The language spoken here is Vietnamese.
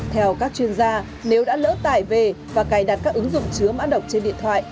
theo các chuyên gia nếu đã lỡ tải về và cài đặt các ứng dụng chứa mã độc trên điện thoại